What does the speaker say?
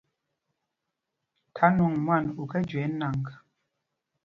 Tha nwɔŋ mwân u kɛ́ jüe ɛ́ nǎŋg.